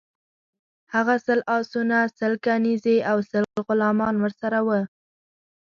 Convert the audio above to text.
هغه سل آسونه، سل کنیزي او سل غلامان ورسره وه.